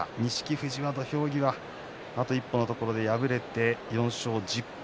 富士は土俵際あと一歩のところで敗れて４勝１０敗